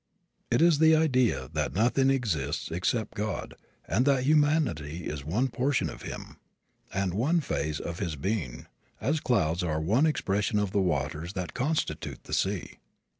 It is the idea that nothing exists except God and that humanity is one portion of Him, and one phase of His being, as clouds are one expression of the waters that constitute the sea.